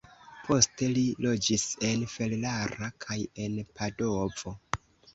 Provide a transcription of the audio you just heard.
Poste li loĝis en Ferrara kaj en Padovo.